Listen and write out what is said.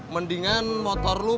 mendingan motor lu